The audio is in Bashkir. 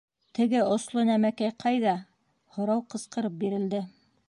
— Теге осло нәмәкәй ҡайҙа? — һорау ҡысҡырып бирелде.